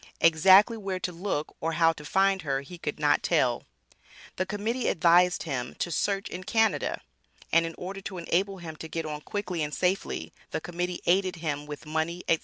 Exactly where to look or how to find her he could not tell. The Committee advised him to "search in Canada." And in order to enable him to get on quickly and safely, the Committee aided him with money, &c.